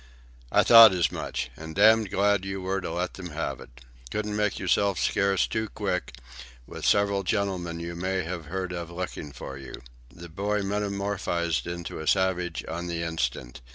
"I thought as much. And damned glad you were to let them have it. Couldn't make yourself scarce too quick, with several gentlemen you may have heard of looking for you." The boy metamorphosed into a savage on the instant.